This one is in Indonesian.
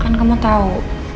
kan kamu tau